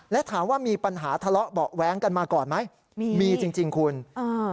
และถามว่ามีปัญหาทะเลาะเบาะแว้งกันมาก่อนไหมมีมีจริงจริงคุณอ่า